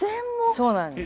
そうなんです。